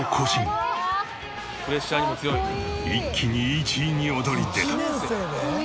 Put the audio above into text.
一気に１位に躍り出る。